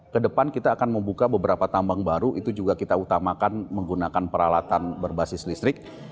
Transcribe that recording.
kedepan kita akan membuka beberapa tambang baru itu juga kita utamakan menggunakan peralatan berbasis listrik